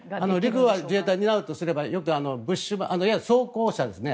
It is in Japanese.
陸路を自衛隊が担うとすればいわゆる装甲車ですね。